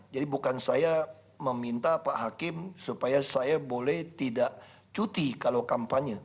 jadi bukan saya meminta pak hakim supaya saya boleh tidak cuti kalau kampanye